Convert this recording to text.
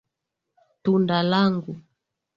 Tunda langu.